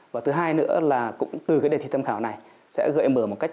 và thứ hai nữa là cũng từ cái đề thi tham khảo này sẽ gợi mở một cách